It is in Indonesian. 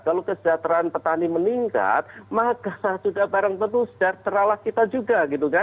kalau kesejahteraan petani meningkat maka sudah barang tentu sejahteralah kita juga